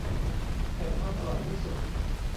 ไก่ทอดอร่อยที่สุด